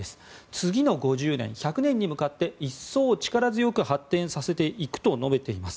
次の５０年、１００年に向かって一層力強く発展させていくと述べています。